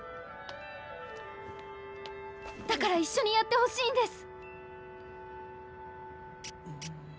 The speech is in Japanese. だからいっしょにやってほしいんです！